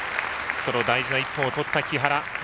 大事な１本を取った木原。